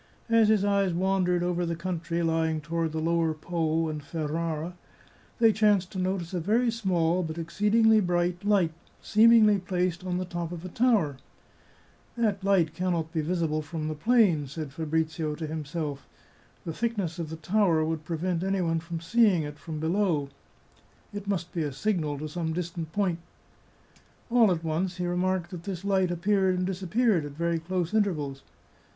As his eyes wandered over the country lying to ward the lower Po and Ferrara, they chanced to notice a very small, but exceedingly bright, light, seemingly placed on the top of a tower. " That light can not be visible from the plain," said Fabrizio to himself. " The thickness of the tower would prevent any one from seeing it from below. It must be a signal to some distant point." All at once he remarked that this light appeared and disappeared at very close intervals.